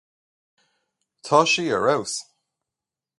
Tá sí ar fheabhas.